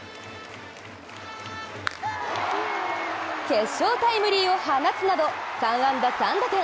決勝タイムリーを放つなど３安打３打点。